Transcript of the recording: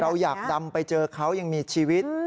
เราอยากดำไปเจอเขายังมีชีวิต